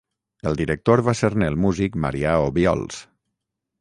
El director va ser-ne el músic Marià Obiols.